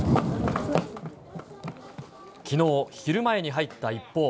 きのう、昼前に入った一報。